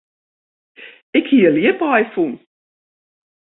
Ik hie in ljipaai fûn.